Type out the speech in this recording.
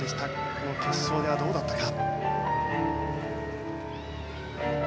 この決勝ではどうだったか。